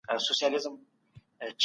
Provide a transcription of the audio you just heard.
روښانه فکر هدف نه کموي.